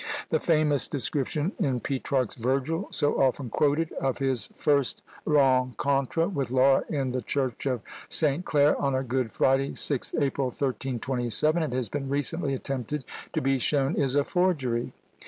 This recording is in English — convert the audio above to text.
The famous description in Petrarch's Virgil, so often quoted, of his first rencontre with Laura in the church of St. Clair on a Good Friday, 6th April, 1327, it has been recently attempted to be shown is a forgery.